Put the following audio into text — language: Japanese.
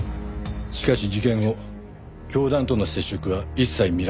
しかし事件後教団との接触は一切見られず。